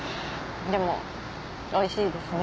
でもおいしいですね